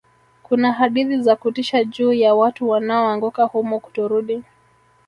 kuna hadithi za kutisha juu ya watu wanaoanguka humo kutorudi